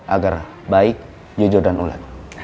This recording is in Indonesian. agar baik jujur dan ulat